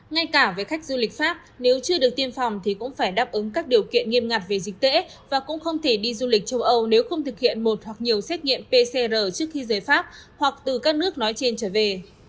ngay cả với khách du lịch pháp nếu chưa được tiêm phòng thì cũng phải đáp ứng các điều kiện nghiêm ngặt về dịch tễ và cũng không thể đi du lịch châu âu nếu không thực hiện một hoặc nhiều xét nghiệm pcr trước khi rời pháp hoặc từ các nước nói trên trở về